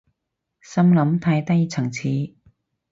心諗太低層次